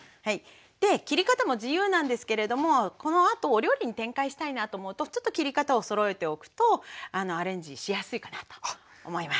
切り方も自由なんですけれどもこのあとお料理に展開したいなと思うとちょっと切り方をそろえておくとアレンジしやすいかなと思います。